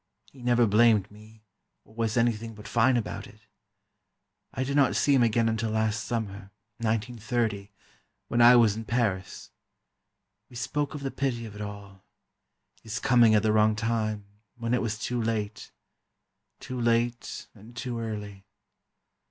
He never blamed me, or was anything but fine about it. I did not see him again until last Summer (1930), when I was in Paris. We spoke of the pity of it all—his coming at the wrong time, when it was too late—too late and too early.